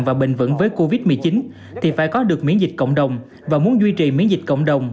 và bền vững với covid một mươi chín thì phải có được miễn dịch cộng đồng và muốn duy trì miễn dịch cộng đồng